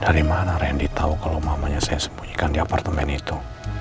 dari mana randy tahu kalau mamanya saya sembunyikan di apartemen itu